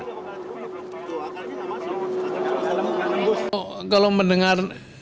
sebelumnya jis mencari penyelenggaraan yang lebih baik